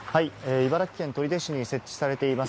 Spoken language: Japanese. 茨城県取手市に設置されています